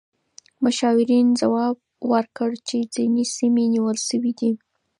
مشاورین ځواب ورکړ چې ځینې سیمې نیول شوې دي.